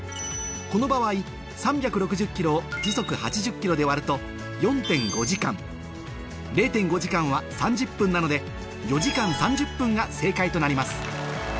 この場合３６０ｋｍを時速８０ｋｍで割ると４．５時間０．５時間は３０分なので４時間３０分が正解となります